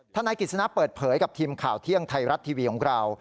นายกิจสนะเปิดเผยกับทีมข่าวเที่ยงไทยรัฐทีวีของเรา